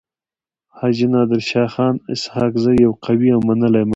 حاجي نادر شاه خان اسحق زی يو قوي او منلی مشر وو.